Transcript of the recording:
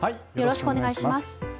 よろしくお願いします。